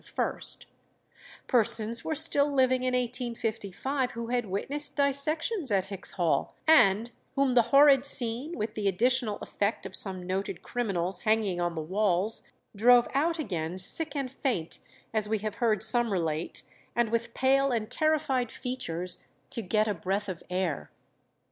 Persons were still living in 1855 who had witnessed dissections at Hicks' Hall, and "whom the horrid scene, with the additional effect of some noted criminals hanging on the walls, drove out again sick and faint, as we have heard some relate, and with pale and terrified features, to get a breath of air."